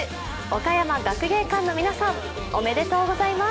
岡山学芸館の皆さん、おめでとうございます。